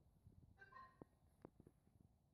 Shika hii simu umpe mamako